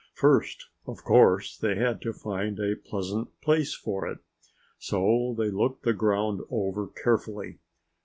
First, of course, they had to find a pleasant place for it. So they looked the ground over carefully.